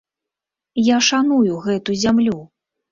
Я шаную гэту зямлю.